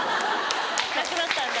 なくなったんだ。